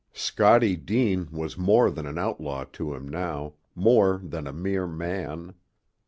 Scottie Deane was more than an outlaw to him now, more than a mere man.